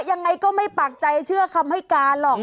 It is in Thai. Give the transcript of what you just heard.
ยังไงก็ไม่ปากใจเชื่อคำให้การหรอก